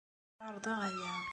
Ad ɛerḍeɣ aya.